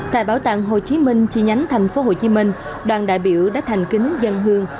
tại bảo tàng hồ chí minh chi nhánh tp hcm đoàn đại biểu đã thành kính dân hương